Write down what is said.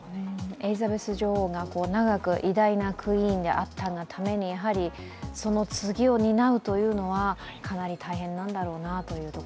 エリザベス女王が長く偉大なクイーンであったがためにやはりその次を担うというのはかなり大変なんだろうなという。